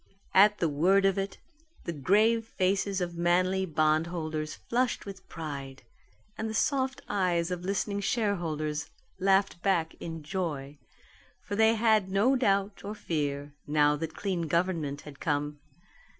At the word of it, the grave faces of manly bondholders flushed with pride, and the soft eyes of listening shareholders laughed back in joy. For they had no doubt or fear, now that clean government had come.